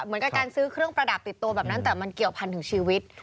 เหมือนกับการซื้อเครื่องประดับติดตัวแบบนั้นแต่มันเกี่ยวพันถึงชีวิต